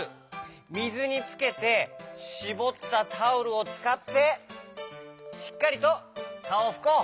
みずにつけてしぼったタオルをつかってしっかりとかおをふこう！